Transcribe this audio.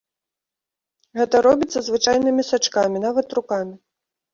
Гэта робіцца звычайнымі сачкамі, нават рукамі!